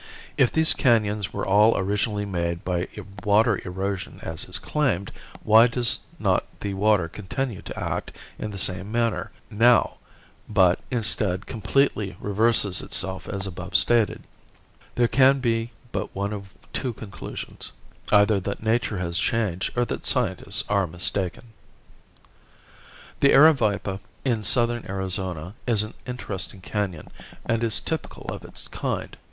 If these canons were all originally made by water erosion as is claimed, why does not the water continue to act in the same manner now but, instead, completely reverses itself as above stated? There can be but one of two conclusions, either that nature has changed or that scientists are mistaken. The Aravaipa in southern Arizona is an interesting canon and is typical of its kind.